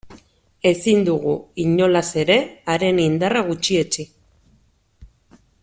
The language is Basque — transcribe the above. Ezin dugu, inolaz ere, haren indarra gutxietsi.